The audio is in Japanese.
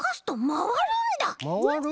まわる？